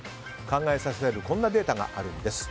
考えさせられるこんなデータがあるんです。